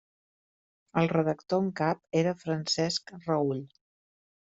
El redactor en cap era Francesc Raüll.